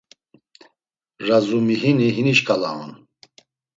Razumihini hini şǩala on.